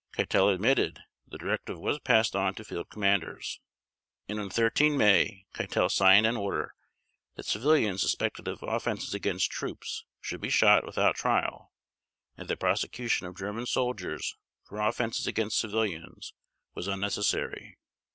Keitel admitted the directive was passed on to field commanders. And on 13 May Keitel signed an order that civilians suspected of offenses against troops should be shot without trial, and that prosecution of German soldiers for offenses against civilians was unnecessary.